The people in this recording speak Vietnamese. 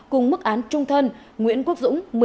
cùng mức án trung thân nguyễn quốc dũng